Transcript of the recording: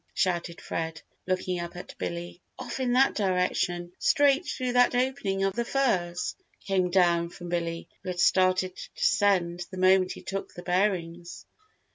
shouted Fred, looking up at Billy. "Off in that direction straight through that opening of the firs!" came down from Billy, who had started to descend the moment he took the bearings.